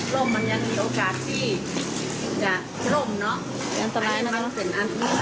ร่มมันยังมีโอกาสที่จะร่มเนอะ